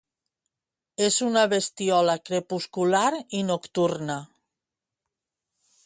És una bestiola crepuscular i nocturna.